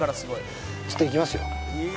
ちょっといきますよ。